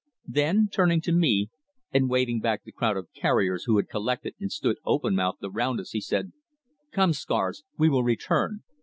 Then, turning to me, and waving back the crowd of carriers who had collected and stood open mouthed around us, he said, "Come, Scars, we will return.